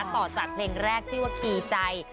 ต่อจากเพลงแรกที่ว่ากีใจ